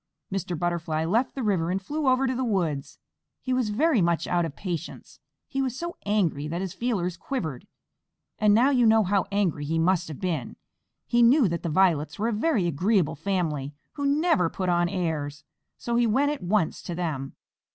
Mr. Butterfly left the river and flew over to the woods. He was very much out of patience. He was so angry that his feelers quivered, and now you know how angry he must have been. He knew that the Violets were a very agreeable family, who never put on airs, so he went at once to them.